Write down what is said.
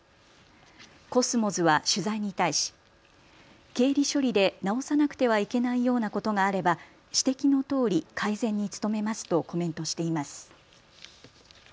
コスモズは取材に対し経理処理で直さなくてはいけないようなことがあれば指摘のとおり改善に努めますとコメントしています。